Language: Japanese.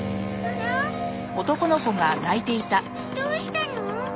どうしたの？